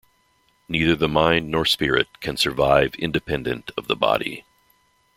Neither the mind nor spirit can survive independent of the body.